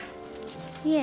いえ。